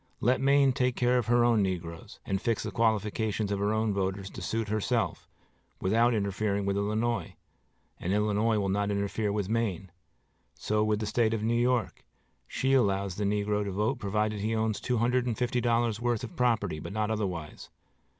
Let Maine take care of her own negroes, and fix the qualifications of her own voters to suit herself, without interfering with Illinois; and Illinois will not interfere with Maine. So with the State of New York. She allows the negro to vote provided he owns two hundred and fifty dollars' worth of property, but not otherwise.